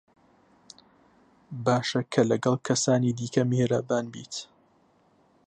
باشە کە لەگەڵ کەسانی دیکە میهرەبان بیت.